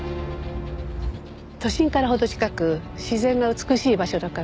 都心から程近く自然が美しい場所だから。